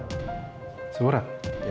ini ada surat untuk anda